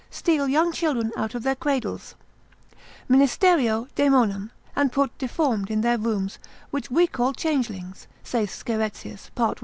steal young children out of their cradles, ministerio daemonum, and put deformed in their rooms, which we call changelings, saith Scheretzius, part.